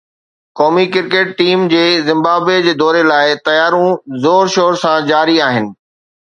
قومي cricket team جي Zimbabwe جي دوري لاءِ تياريون زور شور سان جاري آهن